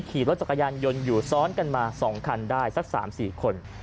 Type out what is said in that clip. ขี่รถจักรยานยนต์อยู่ซ้อนกันมา๒คันได้สัก๓๔คน